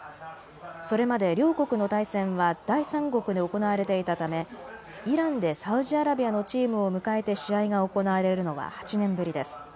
それまで両国の対戦は第三国で行われていたためイランでサウジアラビアのチームを迎えて試合が行われるのは８年ぶりです。